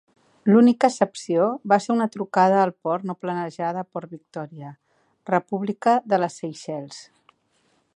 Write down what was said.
L'única excepció va ser una trucada al port no planejada a Port Victòria, República de les Seychelles.